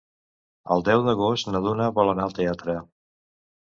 El deu d'agost na Duna vol anar al teatre.